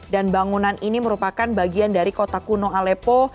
dan bangunan ini merupakan bagian dari kota kuno alepo